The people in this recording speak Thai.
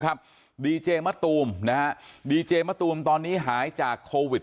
ดีเจมะตูมนะฮะดีเจมะตูมตอนนี้หายจากโควิด